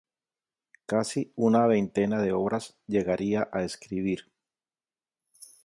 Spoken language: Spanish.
Casi una veintena de obras llegaría a escribir.